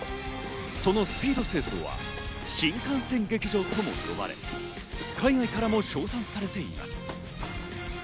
そのスピード清掃は、新幹線劇場とも呼ばれ、海外からも称賛されています。